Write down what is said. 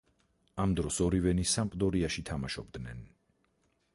ამ დროს ორივენი „სამპდორიაში“ თამაშობდნენ.